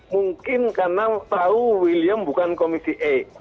mungkin karena tahu william bukan komisi e